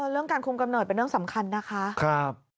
เรื่องการคุมกำเนิดเป็นเรื่องสำคัญนะคะ